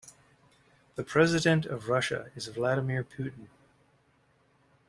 The president of Russia is Vladimir Putin.